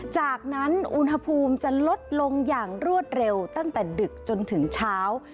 จากนั้นอุณหภูมิจะลดลงอย่างรวดเร็วตั้งแต่ดึกจนถึงเช้า